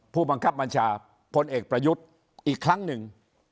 ผู้บังคับบัญชาพลเอกประยุทธ์อีกครั้งหนึ่ง